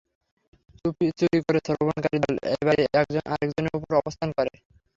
চুরি করে শ্রবণকারী দল এবারে একজন আরেকজনের উপর অবস্থান করে।